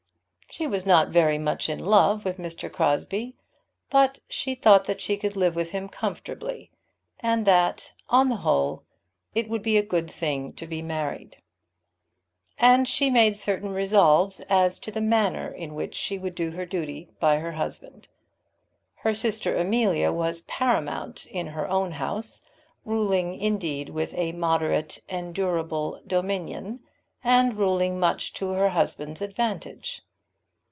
She was not very much in love with Mr. Crosbie, but she thought that she could live with him comfortably, and that on the whole it would be a good thing to be married. And she made certain resolves as to the manner in which she would do her duty by her husband. Her sister Amelia was paramount in her own house, ruling indeed with a moderate, endurable dominion, and ruling much to her husband's advantage.